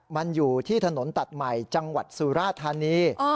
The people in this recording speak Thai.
มันอยู่ที่ถนนตัดใหม่จังหวัดสุราธานี